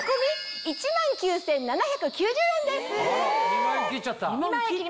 ２万円切っちゃった。